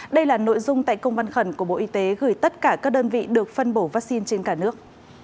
đây là nội dung tại công văn khẩn của bộ y tế gửi tất cả các đơn vị được phân bổ vaccine trên cả nước